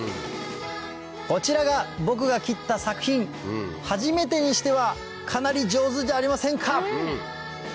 こちらが僕が切った作品初めてにしてはかなり上手じゃありませんか！